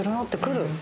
って来る。